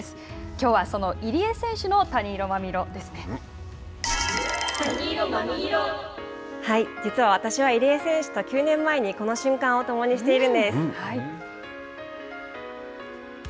きょうはその入江選手の実は私は入江選手と９年前にこの瞬間を共にしているんです。